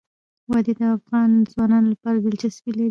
وادي د افغان ځوانانو لپاره دلچسپي لري.